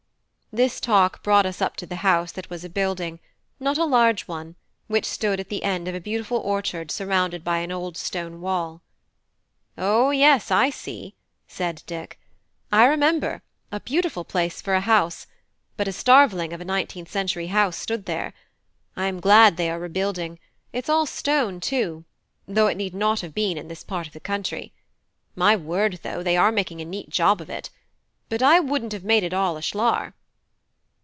This talk brought us up to the house that was a building, not a large one, which stood at the end of a beautiful orchard surrounded by an old stone wall. "O yes, I see," said Dick; "I remember, a beautiful place for a house: but a starveling of a nineteenth century house stood there: I am glad they are rebuilding: it's all stone, too, though it need not have been in this part of the country: my word, though, they are making a neat job of it: but I wouldn't have made it all ashlar."